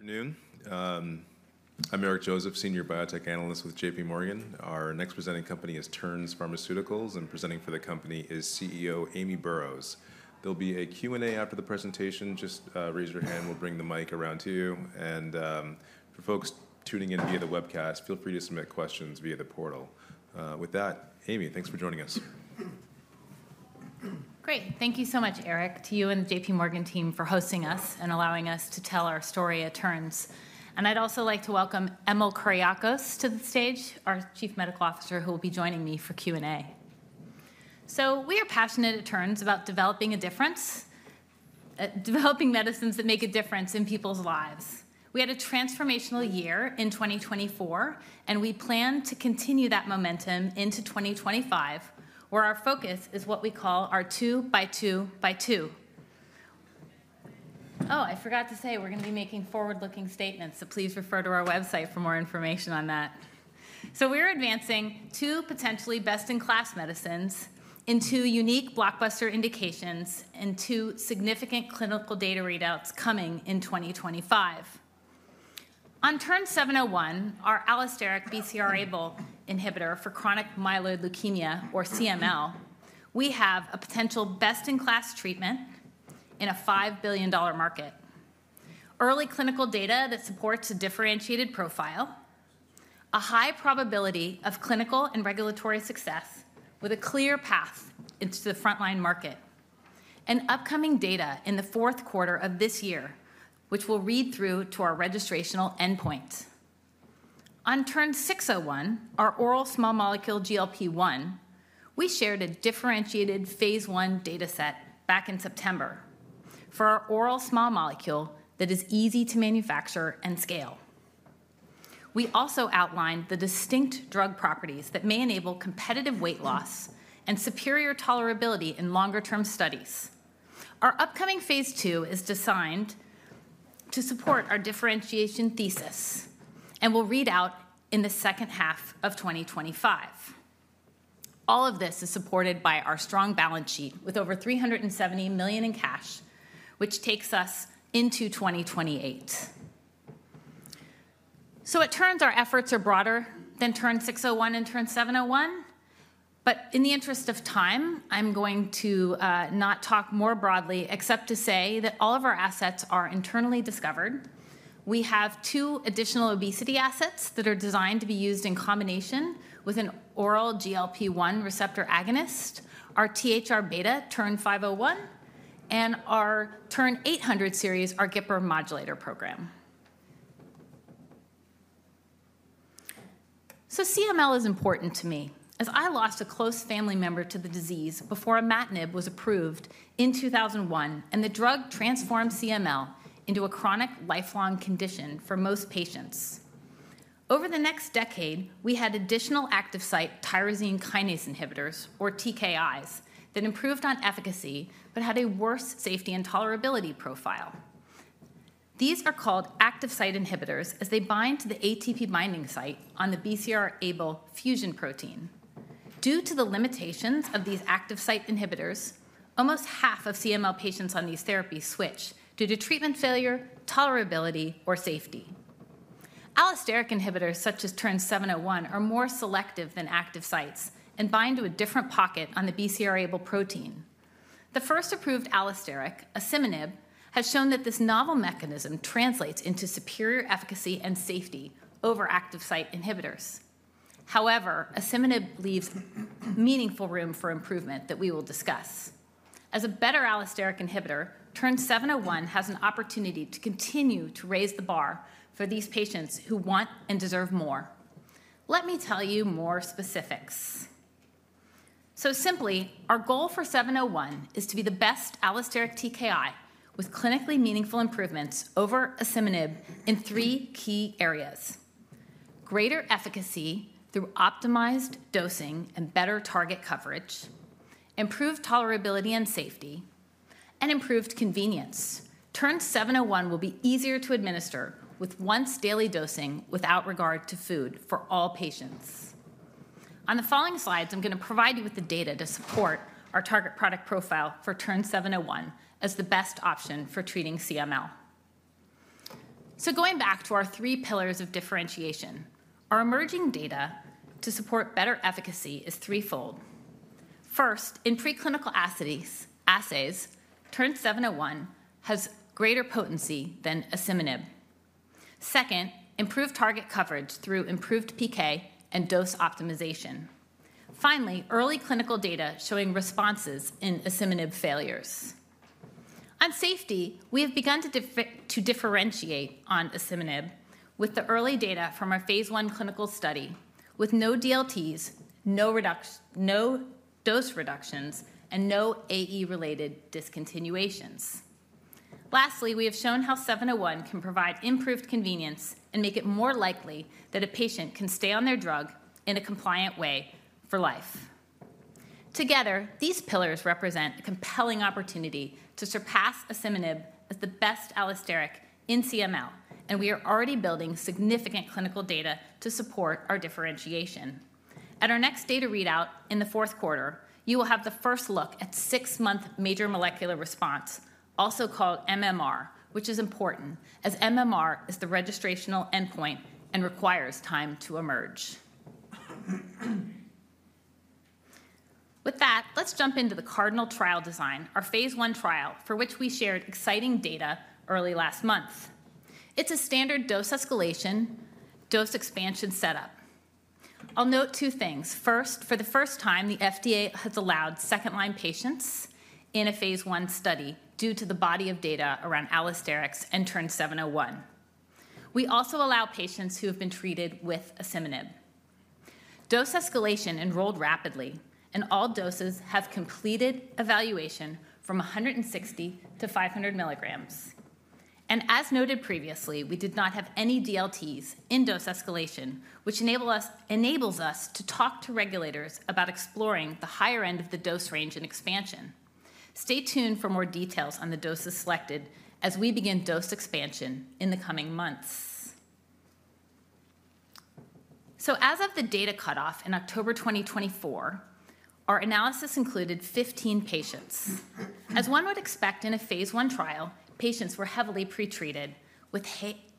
Good afternoon. I'm Eric Joseph, Senior Biotech Analyst with JPMorgan. Our next presenting company is Terns Pharmaceuticals, and presenting for the company is CEO Amy Burroughs. There'll be a Q&A after the presentation. Just raise your hand, we'll bring the mic around to you. And for folks tuning in via the webcast, feel free to submit questions via the portal. With that, Amy, thanks for joining us. Great. Thank you so much, Eric, to you and the JPMorgan team for hosting us and allowing us to tell our story at Terns. And I'd also like to welcome Emil Kuriakose to the stage, our Chief Medical Officer, who will be joining me for Q&A. So we are passionate at Terns about developing a difference, developing medicines that make a difference in people's lives. We had a transformational year in 2024, and we plan to continue that momentum into 2025, where our focus is what we call our two by two by two. Oh, I forgot to say we're going to be making forward-looking statements, so please refer to our website for more information on that. So we're advancing two potentially best-in-class medicines into unique blockbuster indications and two significant clinical data readouts coming in 2025. On TERN-701, our allosteric BCR-ABL inhibitor for chronic myeloid leukemia, or CML, we have a potential best-in-class treatment in a $5 billion market, early clinical data that supports a differentiated profile, a high probability of clinical and regulatory success with a clear path into the frontline market, and upcoming data in the fourth quarter of this year, which we'll read through to our registrational endpoint. On TERN-601, our oral small molecule GLP-1, we shared a differentiated phase 1 data set back in September for our oral small molecule that is easy to manufacture and scale. We also outlined the distinct drug properties that may enable competitive weight loss and superior tolerability in longer-term studies. Our upcoming phase 2 is designed to support our differentiation thesis and will read out in the second half of 2025. All of this is supported by our strong balance sheet with over $370 million in cash, which takes us into 2028, so at Terns, our efforts are broader than TERN-601 and TERN-701, but in the interest of time, I'm going to not talk more broadly except to say that all of our assets are internally discovered. We have two additional obesity assets that are designed to be used in combination with an oral GLP-1 receptor agonist, our THR-β TERN-501, and our TERN-800 series, our GIPR modulator program, so CML is important to me as I lost a close family member to the disease before imatinib was approved in 2001, and the drug transformed CML into a chronic lifelong condition for most patients. Over the next decade, we had additional active site tyrosine kinase inhibitors, or TKIs, that improved on efficacy but had a worse safety and tolerability profile. These are called active site inhibitors as they bind to the ATP binding site on the BCR-ABL fusion protein. Due to the limitations of these active site inhibitors, almost half of CML patients on these therapies switch due to treatment failure, tolerability, or safety. Allosteric inhibitors such as TERN-701 are more selective than active sites and bind to a different pocket on the BCR-ABL protein. The first approved allosteric, asciminib, has shown that this novel mechanism translates into superior efficacy and safety over active site inhibitors. However, asciminib leaves meaningful room for improvement that we will discuss. As a better allosteric inhibitor, TERN-701 has an opportunity to continue to raise the bar for these patients who want and deserve more. Let me tell you more specifics. Our goal for 701 is to be the best allosteric TKI with clinically meaningful improvements over asciminib in three key areas: greater efficacy through optimized dosing and better target coverage, improved tolerability and safety, and improved convenience. TERN-701 will be easier to administer with once-daily dosing without regard to food for all patients. On the following slides, I'm going to provide you with the data to support our target product profile for TERN-701 as the best option for treating CML. Going back to our three pillars of differentiation, our emerging data to support better efficacy is threefold. First, in preclinical assays, TERN-701 has greater potency than asciminib. Second, improved target coverage through improved PK and dose optimization. Finally, early clinical data showing responses in asciminib failures. On safety, we have begun to differentiate on asciminib with the early data from our phase one clinical study, with no DLTs, no dose reductions, and no AE-related discontinuations. Lastly, we have shown how 701 can provide improved convenience and make it more likely that a patient can stay on their drug in a compliant way for life. Together, these pillars represent a compelling opportunity to surpass asciminib as the best allosteric in CML, and we are already building significant clinical data to support our differentiation. At our next data readout in the fourth quarter, you will have the first look at six-month Major Molecular Response, also called MMR, which is important as MMR is the registrational endpoint and requires time to emerge. With that, let's jump into the CARDINAL trial design, our phase one trial for which we shared exciting data early last month. It's a standard dose escalation dose expansion setup. I'll note two things. First, for the first time, the FDA has allowed second-line patients in a phase one study due to the body of data around allosterics and TERN-701. We also allow patients who have been treated with asciminib. Dose escalation enrolled rapidly, and all doses have completed evaluation from 160 mg-500 mg. As noted previously, we did not have any DLTs in dose escalation, which enables us to talk to regulators about exploring the higher end of the dose range and expansion. Stay tuned for more details on the doses selected as we begin dose expansion in the coming months. As of the data cutoff in October 2024, our analysis included 15 patients. As one would expect in a phase I trial, patients were heavily pretreated with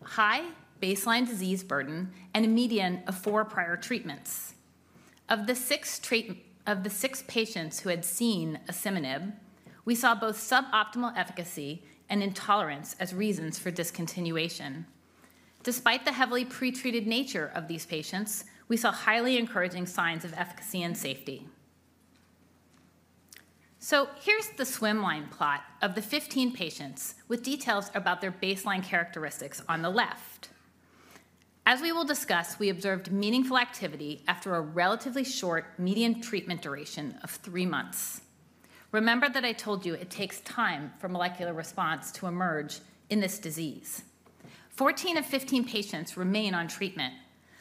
high baseline disease burden and a median of four prior treatments. Of the six patients who had seen asciminib, we saw both suboptimal efficacy and intolerance as reasons for discontinuation. Despite the heavily pretreated nature of these patients, we saw highly encouraging signs of efficacy and safety. So here's the swimmer plot of the 15 patients with details about their baseline characteristics on the left. As we will discuss, we observed meaningful activity after a relatively short median treatment duration of three months. Remember that I told you it takes time for molecular response to emerge in this disease. 14 of 15 patients remain on treatment.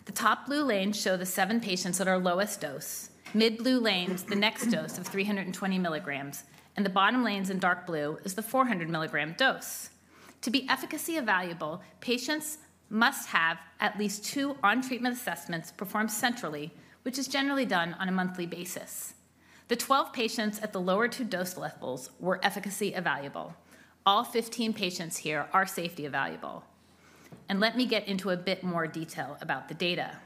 The top blue lanes show the seven patients at our lowest dose, mid-blue lanes the next dose of 320 mg, and the bottom lanes in dark blue is the 400 mg dose. To be efficacy evaluable, patients must have at least two on-treatment assessments performed centrally, which is generally done on a monthly basis. The 12 patients at the lower two dose levels were efficacy evaluable. All 15 patients here are safety evaluable. And let me get into a bit more detail about the data.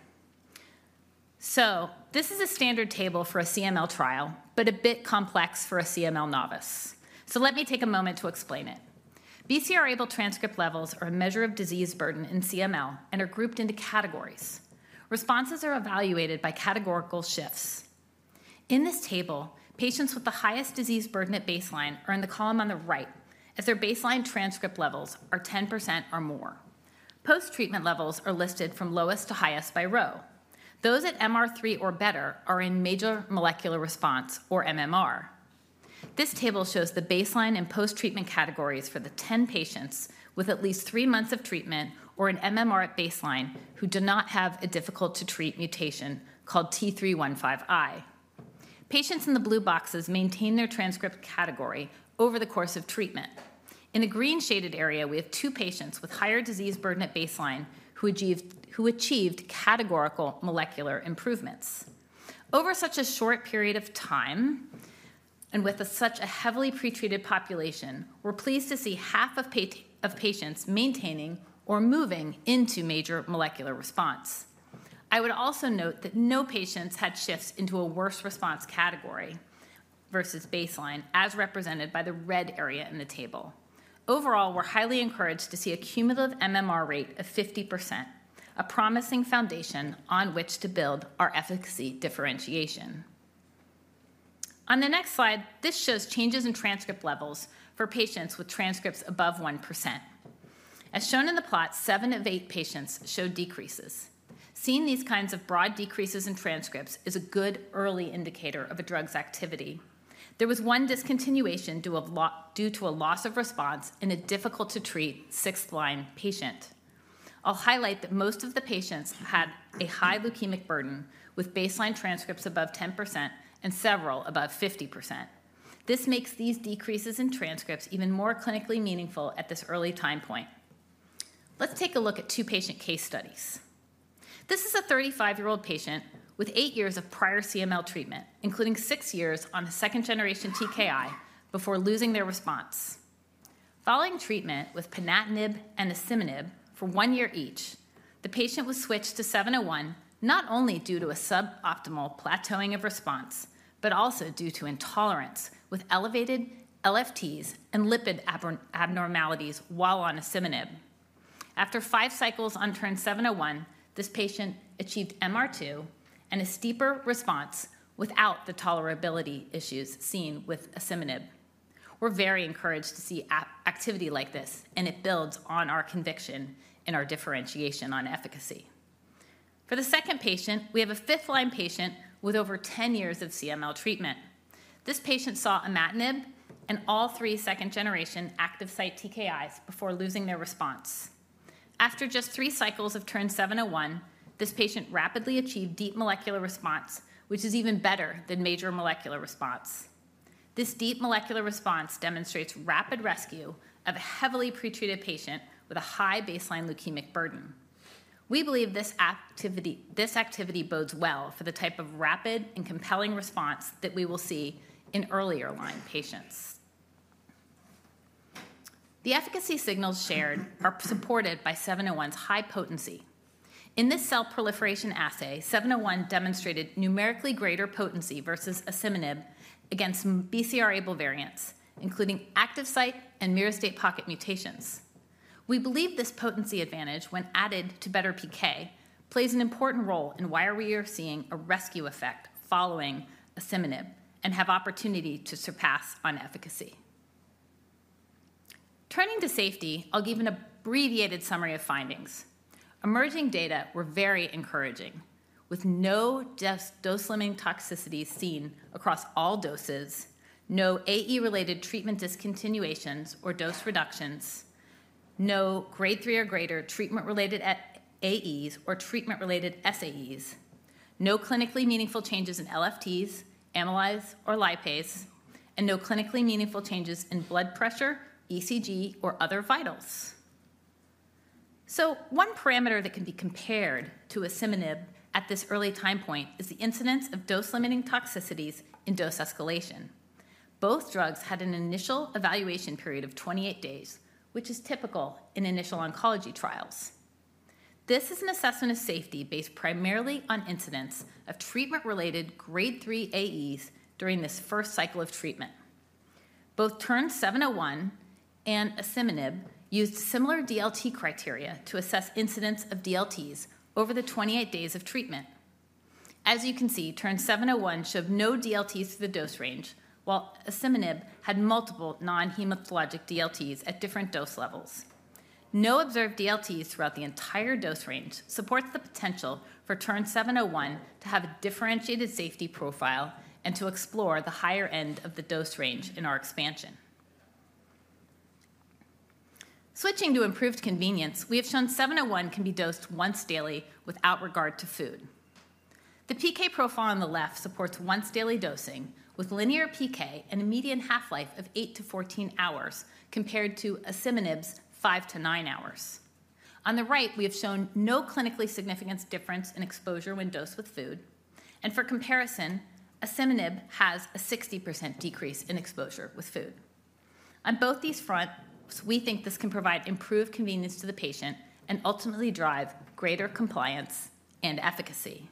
So this is a standard table for a CML trial, but a bit complex for a CML novice. So let me take a moment to explain it. BCR-ABL transcript levels are a measure of disease burden in CML and are grouped into categories. Responses are evaluated by categorical shifts. In this table, patients with the highest disease burden at baseline are in the column on the right as their baseline transcript levels are 10% or more. Post-treatment levels are listed from lowest to highest by row. Those at MR3 or better are in major molecular response, or MMR. This table shows the baseline and post-treatment categories for the 10 patients with at least three months of treatment or an MMR at baseline who do not have a difficult-to-treat mutation called T315I. Patients in the blue boxes maintain their transcript category over the course of treatment. In the green shaded area, we have two patients with higher disease burden at baseline who achieved categorical molecular improvements. Over such a short period of time and with such a heavily pretreated population, we're pleased to see half of patients maintaining or moving into major molecular response. I would also note that no patients had shifts into a worse response category versus baseline, as represented by the red area in the table. Overall, we're highly encouraged to see a cumulative MMR rate of 50%, a promising foundation on which to build our efficacy differentiation. On the next slide, this shows changes in transcript levels for patients with transcripts above 1%. As shown in the plot, seven of eight patients showed decreases. Seeing these kinds of broad decreases in transcripts is a good early indicator of a drug's activity. There was one discontinuation due to a loss of response in a difficult-to-treat sixth-line patient. I'll highlight that most of the patients had a high leukemic burden with baseline transcripts above 10% and several above 50%. This makes these decreases in transcripts even more clinically meaningful at this early time point. Let's take a look at two patient case studies. This is a 35-year-old patient with eight years of prior CML treatment, including six years on a second-generation TKI before losing their response. Following treatment with ponatinib and asciminib for one year each, the patient was switched to 701 not only due to a suboptimal plateauing of response, but also due to intolerance with elevated LFTs and lipid abnormalities while on asciminib. After five cycles on TERN-701, this patient achieved MR2 and a steeper response without the tolerability issues seen with asciminib. We're very encouraged to see activity like this, and it builds on our conviction in our differentiation on efficacy. For the second patient, we have a fifth-line patient with over 10 years of CML treatment. This patient saw imatinib and all three second-generation active site TKIs before losing their response. After just three cycles of TERN-701, this patient rapidly achieved deep molecular response, which is even better than major molecular response. This deep molecular response demonstrates rapid rescue of a heavily pretreated patient with a high baseline leukemic burden. We believe this activity bodes well for the type of rapid and compelling response that we will see in earlier-line patients. The efficacy signals shared are supported by 701's high potency. In this cell proliferation assay, 701 demonstrated numerically greater potency versus asciminib against BCR-ABL variants, including active site and myristate pocket mutations. We believe this potency advantage, when added to better PK, plays an important role in why we are seeing a rescue effect following asciminib and have opportunity to surpass on efficacy. Turning to safety, I'll give an abbreviated summary of findings. Emerging data were very encouraging, with no dose-limiting toxicity seen across all doses, no AE-related treatment discontinuations or dose reductions, no grade three or greater treatment-related AEs or treatment-related SAEs, no clinically meaningful changes in LFTs, amylase, or lipase, and no clinically meaningful changes in blood pressure, ECG, or other vitals. So one parameter that can be compared to asciminib at this early time point is the incidence of dose-limiting toxicities in dose escalation. Both drugs had an initial evaluation period of 28 days, which is typical in initial oncology trials. This is an assessment of safety based primarily on incidence of treatment-related grade three AEs during this first cycle of treatment. Both TERN-701 and asciminib used similar DLT criteria to assess incidence of DLTs over the 28 days of treatment. As you can see, TERN-701 showed no DLTs through the dose range, while asciminib had multiple non-hematologic DLTs at different dose levels. No observed DLTs throughout the entire dose range supports the potential for TERN-701 to have a differentiated safety profile and to explore the higher end of the dose range in our expansion. Switching to improved convenience, we have shown 701 can be dosed once daily without regard to food. The PK profile on the left supports once daily dosing with linear PK and a median half-life of 8 hours-14 hours compared to asciminib's 5 hours-9 hours. On the right, we have shown no clinically significant difference in exposure when dosed with food, and for comparison, asciminib has a 60% decrease in exposure with food. On both these fronts, we think this can provide improved convenience to the patient and ultimately drive greater compliance and efficacy.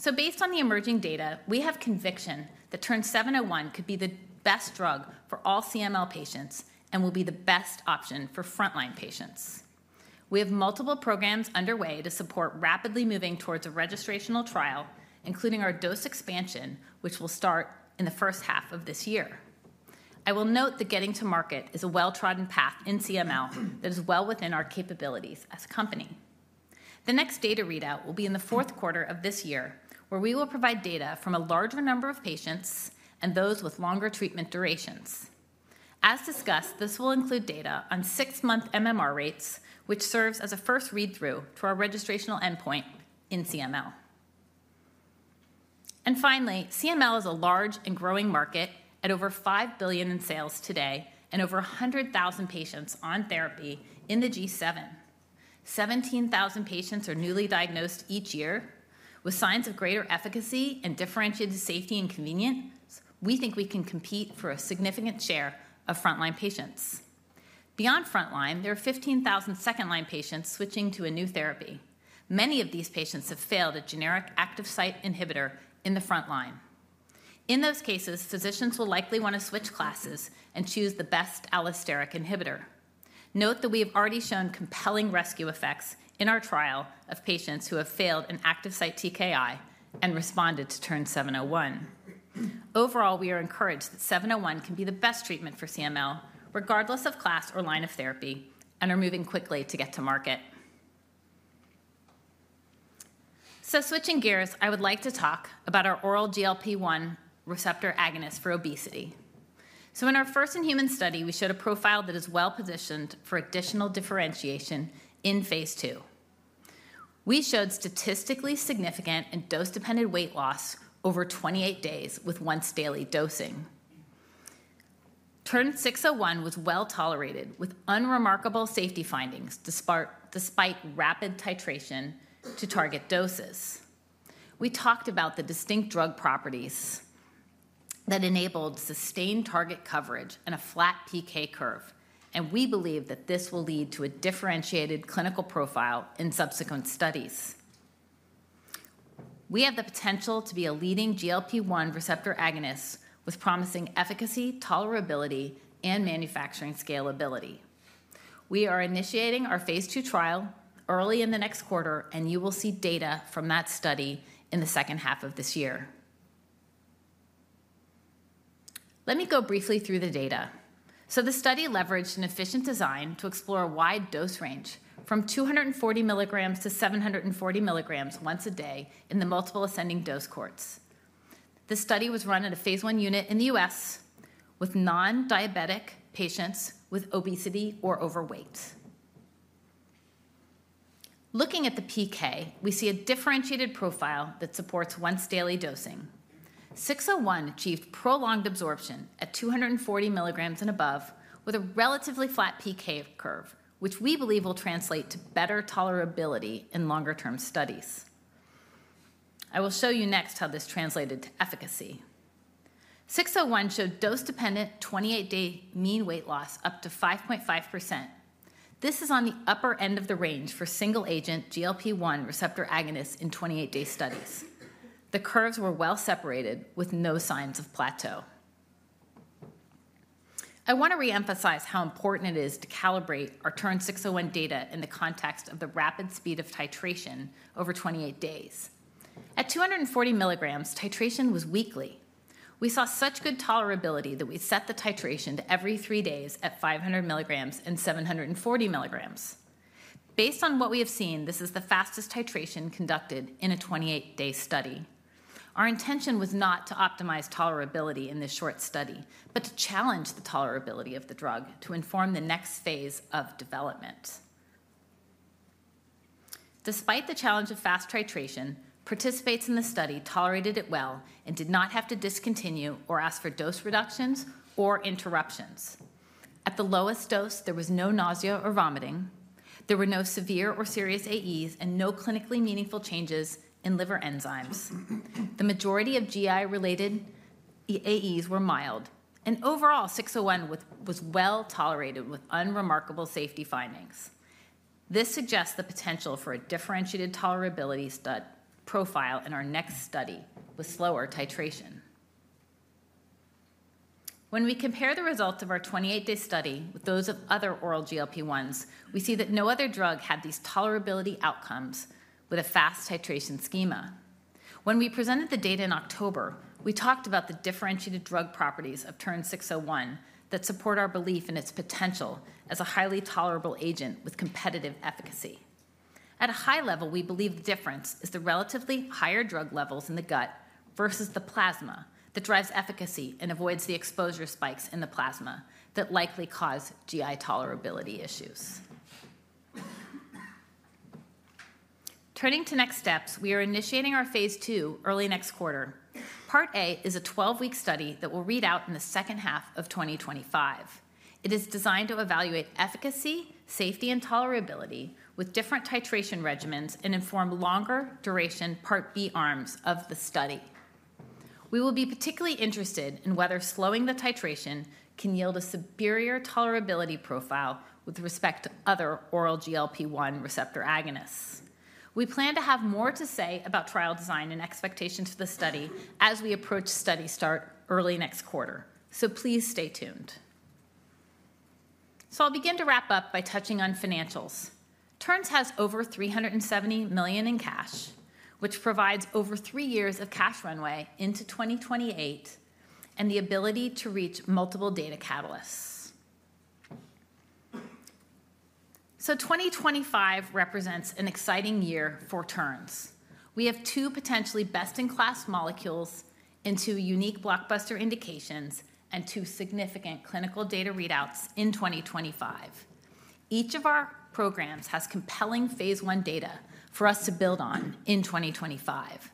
So based on the emerging data, we have conviction that TERN-701 could be the best drug for all CML patients and will be the best option for frontline patients. We have multiple programs underway to support rapidly moving towards a registrational trial, including our dose expansion, which will start in the first half of this year. I will note that getting to market is a well-trodden path in CML that is well within our capabilities as a company. The next data readout will be in the fourth quarter of this year, where we will provide data from a larger number of patients and those with longer treatment durations. As discussed, this will include data on six-month MMR rates, which serves as a first read-through to our registrational endpoint in CML, and finally, CML is a large and growing market at over $5 billion in sales today and over 100,000 patients on therapy in the G7. 17,000 patients are newly diagnosed each year. With signs of greater efficacy and differentiated safety and convenience, we think we can compete for a significant share of frontline patients. Beyond frontline, there are 15,000 second-line patients switching to a new therapy. Many of these patients have failed a generic active site inhibitor in the frontline. In those cases, physicians will likely want to switch classes and choose the best allosteric inhibitor. Note that we have already shown compelling rescue effects in our trial of patients who have failed an active site TKI and responded to TERN-701. Overall, we are encouraged that 701 can be the best treatment for CML, regardless of class or line of therapy, and are moving quickly to get to market, so switching gears, I would like to talk about our oral GLP-1 receptor agonist for obesity, so in our first-in-human study, we showed a profile that is well-positioned for additional differentiation in phase two. We showed statistically significant and dose-dependent weight loss over 28 days with once-daily dosing. TERN-601 was well tolerated with unremarkable safety findings despite rapid titration to target doses. We talked about the distinct drug properties that enabled sustained target coverage and a flat PK curve, and we believe that this will lead to a differentiated clinical profile in subsequent studies. We have the potential to be a leading GLP-1 receptor agonist with promising efficacy, tolerability, and manufacturing scalability. We are initiating our phase two trial early in the next quarter, and you will see data from that study in the second half of this year. Let me go briefly through the data so the study leveraged an efficient design to explore a wide dose range from 240 mg-740 mg once a day in the multiple ascending dose cohorts. The study was run at a phase one unit in the U.S. with non-diabetic patients with obesity or overweight. Looking at the PK, we see a differentiated profile that supports once-daily dosing. 601 achieved prolonged absorption at 240 mg and above with a relatively flat PK curve, which we believe will translate to better tolerability in longer-term studies. I will show you next how this translated to efficacy. 601 showed dose-dependent 28-day mean weight loss up to 5.5%. This is on the upper end of the range for single-agent GLP-1 receptor agonists in 28-day studies. The curves were well separated with no signs of plateau. I want to reemphasize how important it is to calibrate our TERN-601 data in the context of the rapid speed of titration over 28 days. At 240 mg, titration was weekly. We saw such good tolerability that we set the titration to every three days at 500 mg and 740 mg. Based on what we have seen, this is the fastest titration conducted in a 28-day study. Our intention was not to optimize tolerability in this short study, but to challenge the tolerability of the drug to inform the next phase of development. Despite the challenge of fast titration, participants in the study tolerated it well and did not have to discontinue or ask for dose reductions or interruptions. At the lowest dose, there was no nausea or vomiting. There were no severe or serious AEs and no clinically meaningful changes in liver enzymes. The majority of GI-related AEs were mild, and overall, 601 was well tolerated with unremarkable safety findings. This suggests the potential for a differentiated tolerability profile in our next study with slower titration. When we compare the results of our 28-day study with those of other oral GLP-1s, we see that no other drug had these tolerability outcomes with a fast titration schema. When we presented the data in October, we talked about the differentiated drug properties of TERN-601 that support our belief in its potential as a highly tolerable agent with competitive efficacy. At a high level, we believe the difference is the relatively higher drug levels in the gut versus the plasma that drives efficacy and avoids the exposure spikes in the plasma that likely cause GI tolerability issues. Turning to next steps, we are initiating our phase two early next quarter. Part A is a 12-week study that will read out in the second half of 2025. It is designed to evaluate efficacy, safety, and tolerability with different titration regimens and inform longer-duration Part B arms of the study. We will be particularly interested in whether slowing the titration can yield a superior tolerability profile with respect to other oral GLP-1 receptor agonists. We plan to have more to say about trial design and expectations for the study as we approach study start early next quarter, so please stay tuned. So I'll begin to wrap up by touching on financials. Terns has over $370 million in cash, which provides over three years of cash runway into 2028 and the ability to reach multiple data catalysts. So 2025 represents an exciting year for Terns. We have two potentially best-in-class molecules into unique blockbuster indications and two significant clinical data readouts in 2025. Each of our programs has compelling phase one data for us to build on in 2025.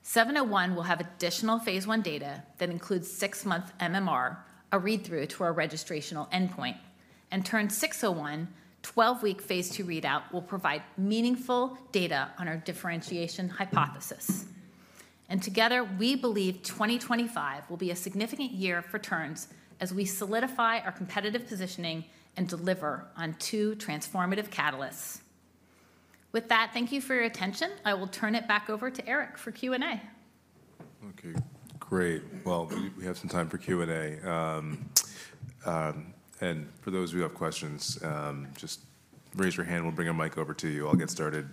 701 will have additional phase one data that includes six-month MMR, a read-through to our registrational endpoint, and TERN-601, 12-week phase two readout will provide meaningful data on our differentiation hypothesis. And together, we believe 2025 will be a significant year for Terns as we solidify our competitive positioning and deliver on two transformative catalysts. With that, thank you for your attention. I will turn it back over to Eric for Q&A. Okay, great. Well, we have some time for Q&A. And for those who have questions, just raise your hand. We'll bring a mic over to you. I'll get started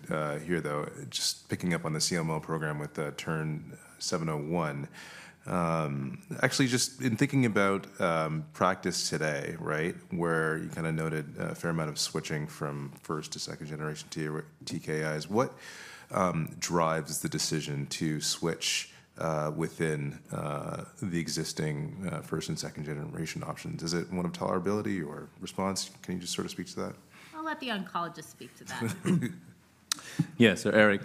here, though, just picking up on the CML program with TERN-701. Actually, just in thinking about practice today, right, where you kind of noted a fair amount of switching from first to second generation TKIs, what drives the decision to switch within the existing first and second generation options? Is it one of tolerability or response? Can you just sort of speak to that? I'll let the oncologist speak to that. Yeah, so Eric,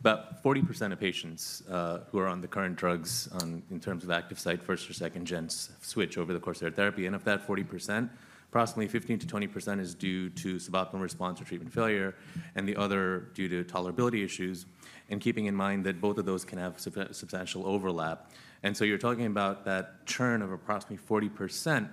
about 40% of patients who are on the current drugs in terms of active site first or second gens switch over the course of their therapy. And of that 40%, approximately 15%-20% is due to suboptimal response or treatment failure, and the other due to tolerability issues, and keeping in mind that both of those can have substantial overlap. And so you're talking about that churn of approximately 40%,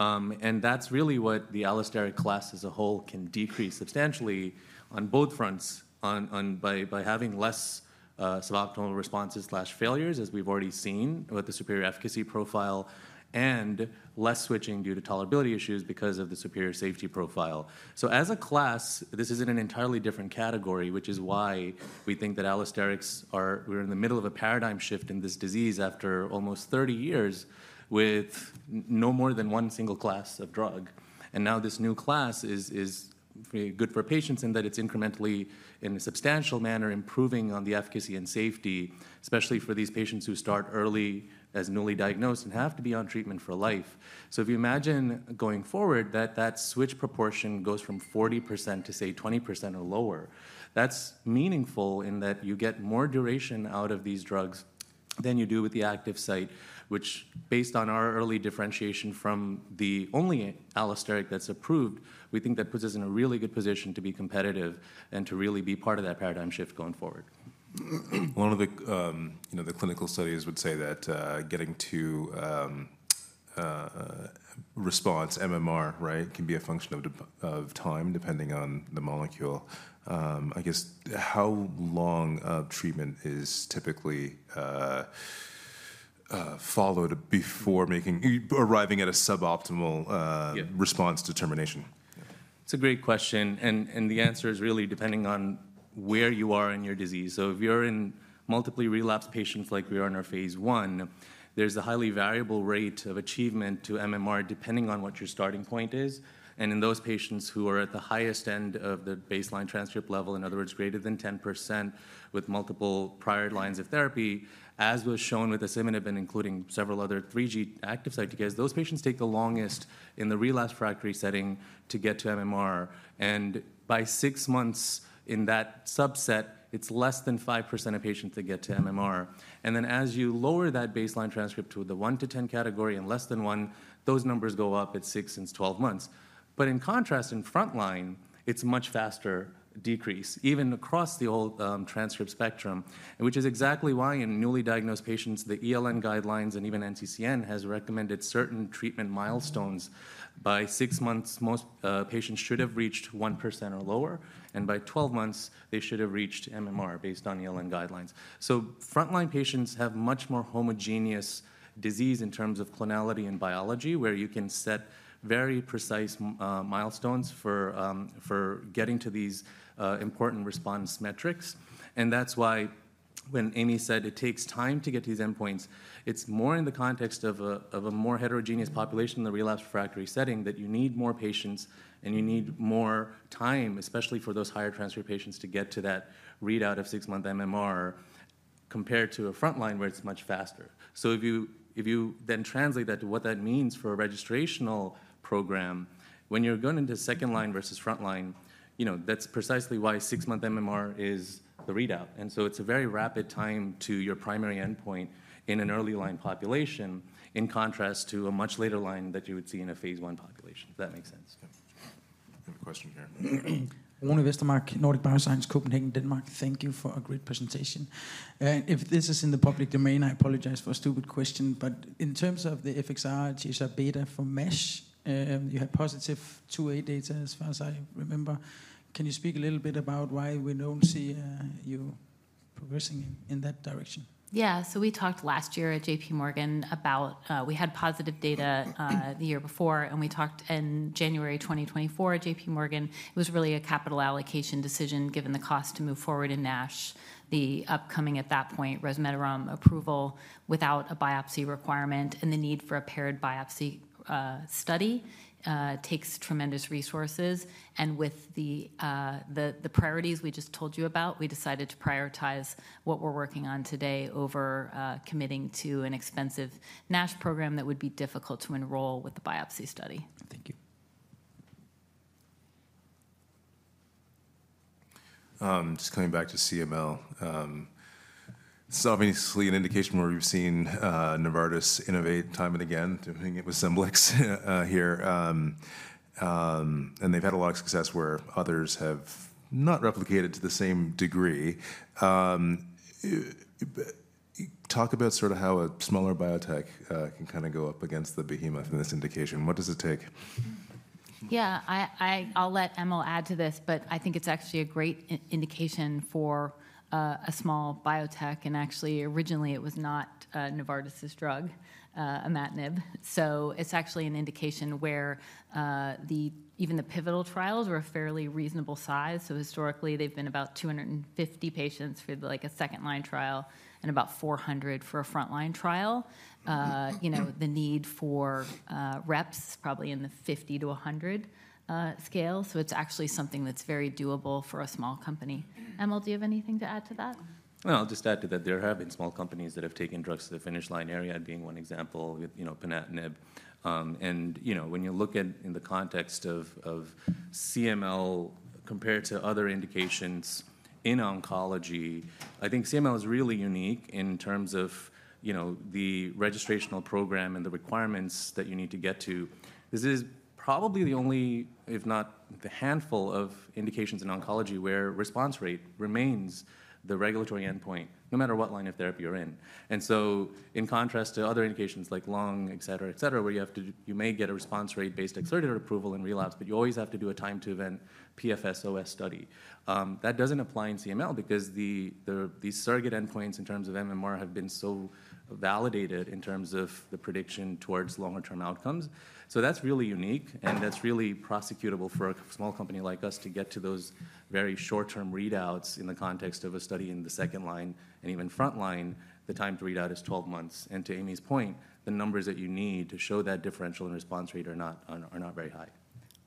and that's really what the allosteric class as a whole can decrease substantially on both fronts by having less suboptimal responses/failures, as we've already seen with the superior efficacy profile, and less switching due to tolerability issues because of the superior safety profile. So as a class, this is in an entirely different category, which is why we think that allosterics are—we're in the middle of a paradigm shift in this disease after almost 30 years with no more than one single class of drug. And now this new class is good for patients in that it's incrementally, in a substantial manner, improving on the efficacy and safety, especially for these patients who start early as newly diagnosed and have to be on treatment for life. So if you imagine going forward that that switch proportion goes from 40% to, say, 20% or lower, that's meaningful in that you get more duration out of these drugs than you do with the active site, which, based on our early differentiation from the only allosteric that's approved, we think that puts us in a really good position to be competitive and to really be part of that paradigm shift going forward. One of the clinical studies would say that getting to response MMR, right, can be a function of time depending on the molecule. I guess, how long of treatment is typically followed before arriving at a suboptimal response determination? It's a great question, and the answer is really depending on where you are in your disease. So if you're in multiply relapsed patients like we are in our phase one, there's a highly variable rate of achievement to MMR depending on what your starting point is. And in those patients who are at the highest end of the baseline transcript level, in other words, greater than 10% with multiple prior lines of therapy, as was shown with asciminib, including several other 3G active site TKIs, those patients take the longest in the relapsed refractory setting to get to MMR. And by six months in that subset, it's less than 5% of patients that get to MMR. Then, as you lower that baseline transcript to the one to 10 category and less than one, those numbers go up at six and 12 months. In contrast, in frontline, it is a much faster decrease, even across the old transcript spectrum, which is exactly why in newly diagnosed patients, the ELN guidelines and even NCCN has recommended certain treatment milestones. By six months, most patients should have reached 1% or lower, and by 12 months, they should have reached MMR based on ELN guidelines. Frontline patients have much more homogeneous disease in terms of clonality and biology, where you can set very precise milestones for getting to these important response metrics. And that's why when Amy said it takes time to get to these endpoints, it's more in the context of a more heterogeneous population in the relapsed refractory setting that you need more patients and you need more time, especially for those higher transcript patients, to get to that readout of six-month MMR compared to a frontline where it's much faster. So if you then translate that to what that means for a registrational program, when you're going into second line versus frontline, that's precisely why six-month MMR is the readout. And so it's a very rapid time to your primary endpoint in an early line population in contrast to a much later line that you would see in a phase I population. Does that make sense? I have a question here. Rune Vestermark, Nordic Bioscience, Copenhagen, Denmark. Thank you for a great presentation. If this is in the public domain, I apologize for a stupid question, but in terms of the FXR, THR-beta for MASH, you had positive 2A data as far as I remember. Can you speak a little bit about why we don't see you progressing in that direction? Yeah, so we talked last year at JPMorgan about we had positive data the year before, and we talked in January 2024 at JPMorgan. It was really a capital allocation decision given the cost to move forward in NASH. The upcoming at that point, resmetirom approval without a biopsy requirement and the need for a paired biopsy study takes tremendous resources. And with the priorities we just told you about, we decided to prioritize what we're working on today over committing to an expensive NASH program that would be difficult to enroll with the biopsy study. Thank you. Just coming back to CML, this is obviously an indication where we've seen Novartis innovate time and again doing it with Scemblix here, and they've had a lot of success where others have not replicated to the same degree. Talk about sort of how a smaller biotech can kind of go up against the behemoth in this indication. What does it take? Yeah, I'll let Emil add to this, but I think it's actually a great indication for a small biotech. And actually, originally, it was not Novartis' drug, imatinib. So it's actually an indication where even the pivotal trials were a fairly reasonable size. So historically, they've been about 250 patients for like a second line trial and about 400 for a frontline trial. The need for reps probably in the 50 to 100 scale. So it's actually something that's very doable for a small company. Emil, do you have anything to add to that? I'll just add to that there have been small companies that have taken drugs to the finish line area, being one example with ponatinib. And when you look at in the context of CML compared to other indications in oncology, I think CML is really unique in terms of the registrational program and the requirements that you need to get to. This is probably the only, if not the handful of indications in oncology where response rate remains the regulatory endpoint, no matter what line of therapy you're in. And so in contrast to other indications like lung, et cetera, et cetera, where you may get a response rate-based accelerated approval in relapse, but you always have to do a time-to-event PFS or OS study. That doesn't apply in CML because these surrogate endpoints in terms of MMR have been so validated in terms of the prediction towards longer-term outcomes. So that's really unique, and that's really prosecutable for a small company like us to get to those very short-term readouts in the context of a study in the second line and even frontline. The time to readout is 12 months. And to Amy's point, the numbers that you need to show that differential in response rate are not very high.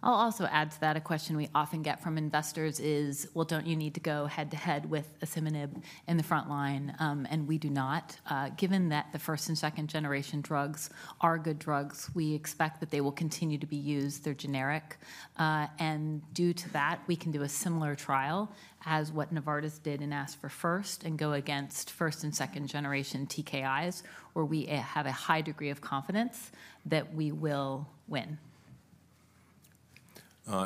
I'll also add to that a question we often get from investors is, well, don't you need to go head-to-head with asciminib in the frontline? And we do not. Given that the first and second generation drugs are good drugs, we expect that they will continue to be used. They're generic. Due to that, we can do a similar trial as what Novartis did in ASC4FIRST and go against first and second generation TKIs, where we have a high degree of confidence that we will win.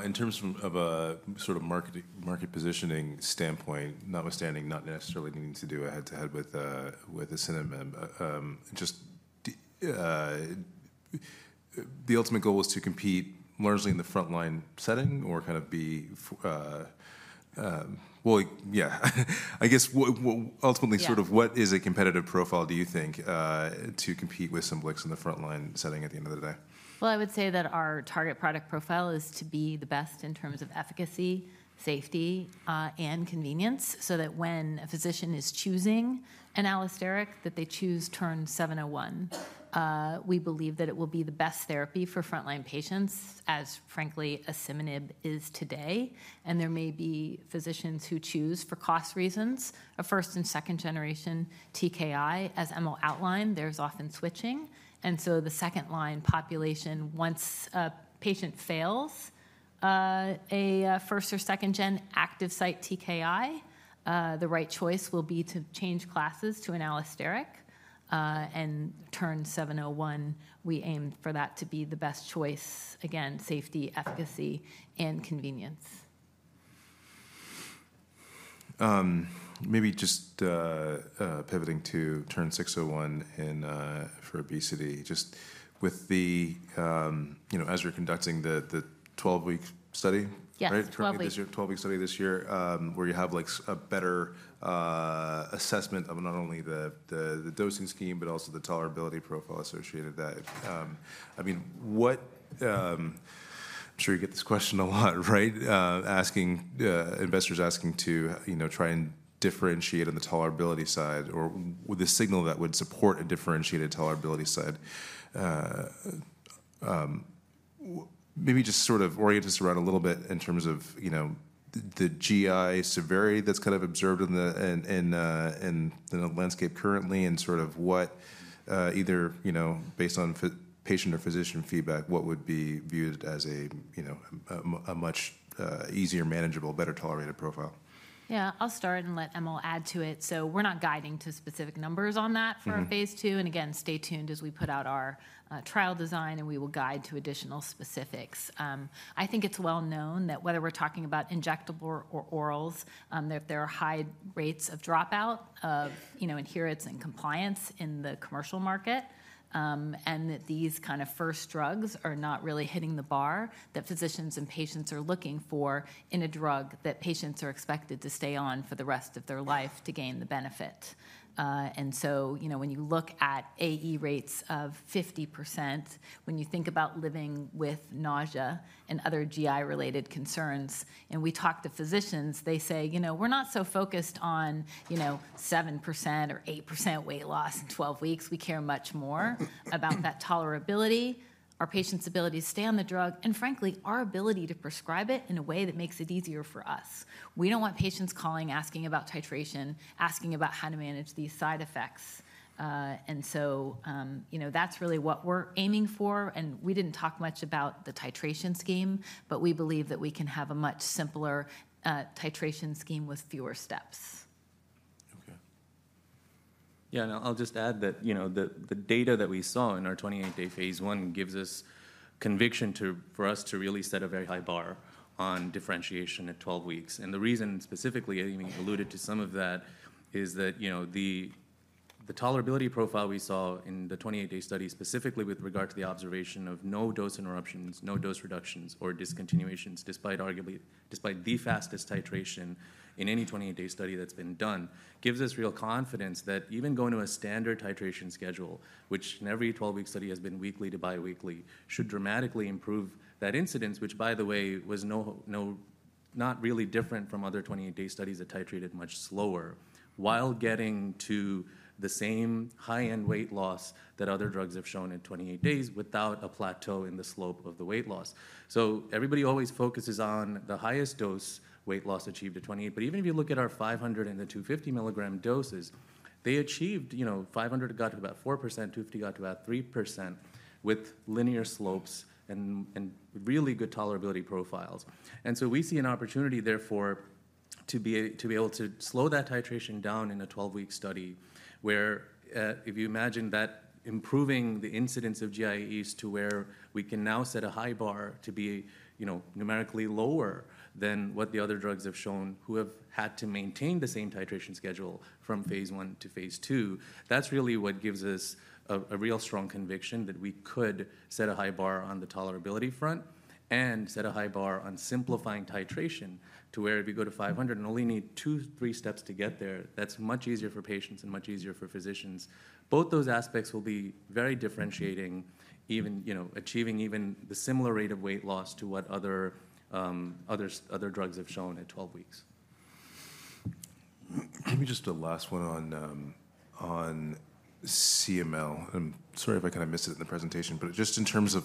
In terms of a sort of market positioning standpoint, notwithstanding not necessarily needing to do a head-to-head with asciminib, just the ultimate goal is to compete largely in the frontline setting or kind of be, well, yeah, I guess ultimately sort of what is a competitive profile do you think to compete with Scemblix in the frontline setting at the end of the day? Well, I would say that our target product profile is to be the best in terms of efficacy, safety, and convenience so that when a physician is choosing an allosteric, that they choose TERN-701. We believe that it will be the best therapy for frontline patients, as frankly, asciminib is today. And there may be physicians who choose for cost reasons a first and second generation TKI. As Emil outlined, there's often switching. And so the second line population, once a patient fails a first or second gen active site TKI, the right choice will be to change classes to an allosteric. And TERN-701, we aim for that to be the best choice. Again, safety, efficacy, and convenience. Maybe just pivoting to TERN-601 for obesity, just with the, as you're conducting the 12-week study, right? 12-week study this year, where you have a better assessment of not only the dosing scheme, but also the tolerability profile associated with that. I mean, I'm sure you get this question a lot, right? Investors asking to try and differentiate on the tolerability side or the signal that would support a differentiated tolerability side. Maybe just sort of orient us around a little bit in terms of the GI severity that's kind of observed in the landscape currently and sort of what either based on patient or physician feedback, what would be viewed as a much easier, manageable, better tolerated profile? Yeah, I'll start and let Emil add to it. So we're not guiding to specific numbers on that for phase two, and again, stay tuned as we put out our trial design, and we will guide to additional specifics. I think it's well known that whether we're talking about injectable or orals, there are high rates of dropout or adherence and compliance in the commercial market, and that these kind of first drugs are not really hitting the bar that physicians and patients are looking for in a drug that patients are expected to stay on for the rest of their life to gain the benefit. And so when you look at AE rates of 50%, when you think about living with nausea and other GI-related concerns, and we talk to physicians, they say, "We're not so focused on 7% or 8% weight loss in 12 weeks. We care much more about that tolerability, our patient's ability to stay on the drug, and frankly, our ability to prescribe it in a way that makes it easier for us. We don't want patients calling, asking about titration, asking about how to manage these side effects. And so that's really what we're aiming for. And we didn't talk much about the titration scheme, but we believe that we can have a much simpler titration scheme with fewer steps. Okay. Yeah, and I'll just add that the data that we saw in our 28-day phase one gives us conviction for us to really set a very high bar on differentiation at 12 weeks. And the reason specifically, Amy alluded to some of that, is that the tolerability profile we saw in the 28-day study, specifically with regard to the observation of no dose interruptions, no dose reductions, or discontinuations, despite the fastest titration in any 28-day study that's been done, gives us real confidence that even going to a standard titration schedule, which in every 12-week study has been weekly to biweekly, should dramatically improve that incidence, which, by the way, was not really different from other 28-day studies that titrated much slower, while getting to the same high-end weight loss that other drugs have shown in 28 days without a plateau in the slope of the weight loss. So everybody always focuses on the highest dose weight loss achieved at 28. But even if you look at our 500 mg and the 250 mg doses, they achieved. 500 got to about 4%, 250 got to about 3% with linear slopes and really good tolerability profiles. And so we see an opportunity therefore to be able to slow that titration down in a 12-week study where if you imagine that improving the incidence of GIEs to where we can now set a high bar to be numerically lower than what the other drugs have shown who have had to maintain the same titration schedule from phase one to phase two, that's really what gives us a real strong conviction that we could set a high bar on the tolerability front and set a high bar on simplifying titration to where if we go to 500 and only need two, three steps to get there, that's much easier for patients and much easier for physicians. Both those aspects will be very differentiating, even achieving the similar rate of weight loss to what other drugs have shown at 12 weeks. Maybe just a last one on CML. I'm sorry if I kind of missed it in the presentation, but just in terms of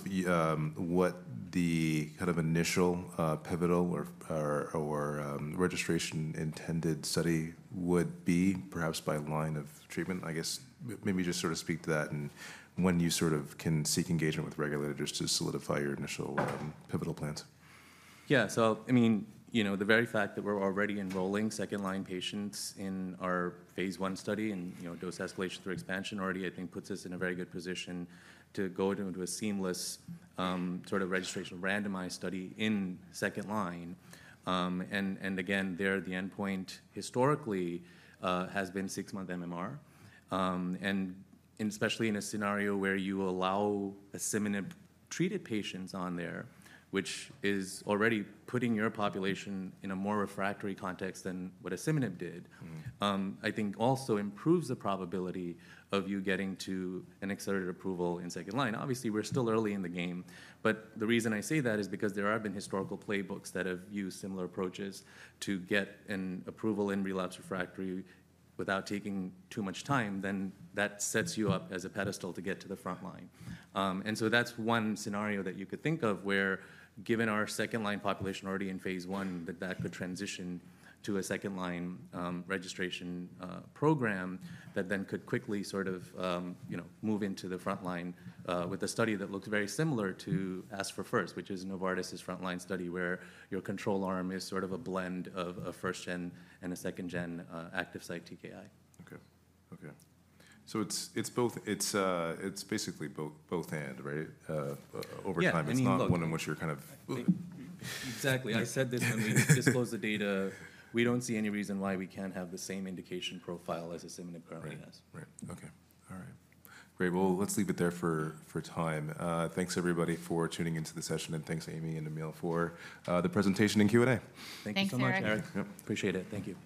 what the kind of initial pivotal or registration-intended study would be perhaps by line of treatment, I guess, maybe just sort of speak to that and when you sort of can seek engagement with regulators to solidify your initial pivotal plans? Yeah, so I mean, the very fact that we're already enrolling second-line patients in our phase one study and dose escalation through expansion already, I think, puts us in a very good position to go into a seamless sort of registration randomized study in second line. And again, there, the endpoint historically has been six-month MMR. And especially in a scenario where you allow asciminib-treated patients on there, which is already putting your population in a more refractory context than what asciminib did, I think also improves the probability of you getting to an accelerated approval in second line. Obviously, we're still early in the game, but the reason I say that is because there have been historical playbooks that have used similar approaches to get an approval in relapse refractory without taking too much time. Then that sets you up as a pedestal to get to the frontline. And so that's one scenario that you could think of where, given our second-line population already in phase one, that that could transition to a second-line registration program that then could quickly sort of move into the frontline with a study that looked very similar to ASC4FIRST, which is Novartis' frontline study where your control arm is sort of a blend of a first-gen and a second-gen active site TKI. Okay. Okay. So it's basically both hand, right? Over time, it's not one in which you're kind of. Exactly. I said this when we disclosed the data. We don't see any reason why we can't have the same indication profile as asciminib currently has. Right. Right. Okay. All right. Great. Well, let's leave it there for time. Thanks, everybody, for tuning into the session, and thanks, Amy and Emil for the presentation and Q&A. Thank you very much. Thanks so much, Eric. Appreciate it. Thank you.